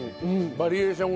バリエーション。